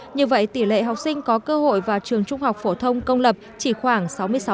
như vậy tỷ lệ học sinh có cơ hội vào trường trung học phổ thông công lập chỉ khoảng sáu mươi sáu